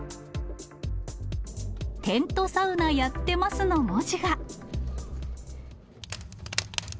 テントサウナやってますの文字が。